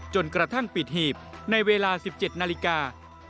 จนกระทั่งปิดหีบในเวลา๑๗นาฬิกา